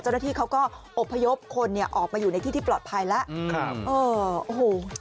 เจ้าหน้าที่เขาก็อบพยพคนเนี่ยออกมาอยู่ในที่ที่ปลอดภัยแล้ว